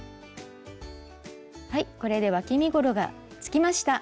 はいこれでわき身ごろがつきました。